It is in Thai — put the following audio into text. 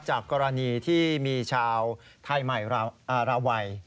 จากกรณีที่มีชาวไทยใหม่ราวัย